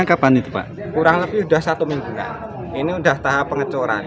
kurang lebih sudah satu mingguan ini sudah tahap pengecoran